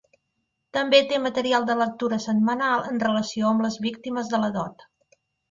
També té material de lectura setmanal en relació amb les víctimes de la dot.